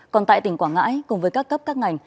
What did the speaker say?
còn tại tỉnh quảng ngãi cùng với các cấp các ngành